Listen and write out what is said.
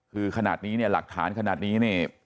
คือขนาดนี้เนี่ยหลักฐานขนาดนี้เนี่ย